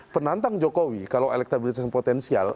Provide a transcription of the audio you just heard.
penantang jokowi kalau elektabilitas yang potensial